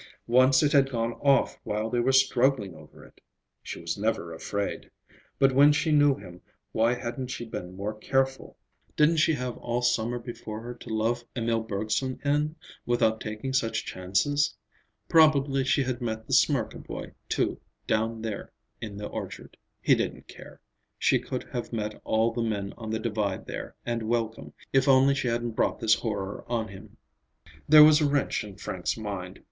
Once it had gone off while they were struggling over it. She was never afraid. But, when she knew him, why hadn't she been more careful? Didn't she have all summer before her to love Emil Bergson in, without taking such chances? Probably she had met the Smirka boy, too, down there in the orchard. He didn't care. She could have met all the men on the Divide there, and welcome, if only she hadn't brought this horror on him. There was a wrench in Frank's mind.